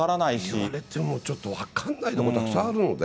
言われてもちょっと分からないことがたくさんあるので。